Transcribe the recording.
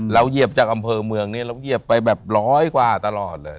เหยียบจากอำเภอเมืองนี้เราเหยียบไปแบบร้อยกว่าตลอดเลย